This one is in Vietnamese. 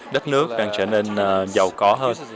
đất nước đang trở nên giàu có hơn